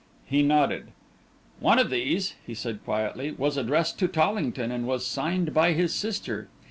He nodded. "One of these," he said, quietly, "was addressed to Tollington, and was signed by his sister.